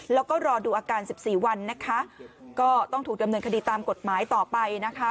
แล้วก็รอดูอาการสิบสี่วันนะคะก็ต้องถูกดำเนินคดีตามกฎหมายต่อไปนะคะ